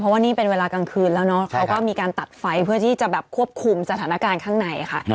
เพราะว่านี่เป็นเวลากลางคืนแล้วเนาะเขาก็มีการตัดไฟเพื่อที่จะแบบควบคุมสถานการณ์ข้างในค่ะ